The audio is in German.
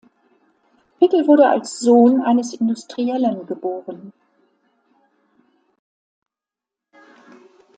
Pickel wurde als Sohn eines Industriellen geboren.